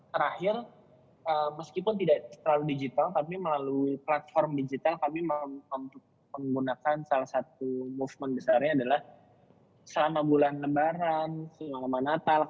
terakhir meskipun tidak terlalu digital tapi melalui platform digital kami menggunakan salah satu movement besarnya adalah selama bulan lebaran selama natal